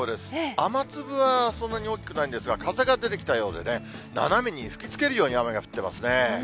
雨粒はそんなに大きくないんですが、風が出てきたようでね、斜めに吹きつけるように雨が降ってますね。